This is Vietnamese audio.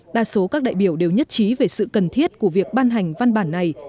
đa số các đại biểu đều nhất trí về sự cần thiết của việc ban hành văn bản này